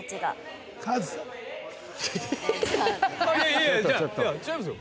いやいや違いますよ！